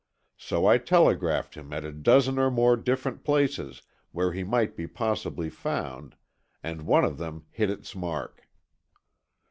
So I telegraphed him at a dozen or more different places where he might possibly be found, and one of them hit its mark."